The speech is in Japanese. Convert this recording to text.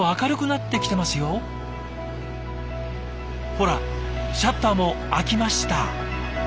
ほらシャッターも開きました。